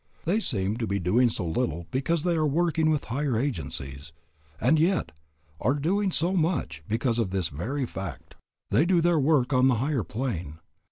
They seem to be doing so little because they are working with higher agencies, and yet are doing so much because of this very fact. They do their work on the higher plane.